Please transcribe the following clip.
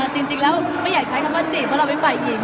จริงแล้วไม่อยากใช้คำว่าจีบเพราะเราเป็นฝ่ายหญิง